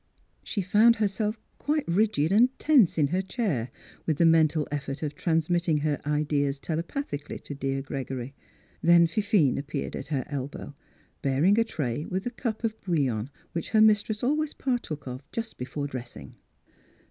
She found herself quite rigid and tense in her chair with the mental effort of transmitting her ideas telepathically to dear Gregory. Then Fifine appeared at her elbow bearing a tray with the cup of bouillon which her mistress always par took of just before dressing.